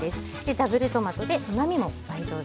ダブルトマトでうまみも倍増です。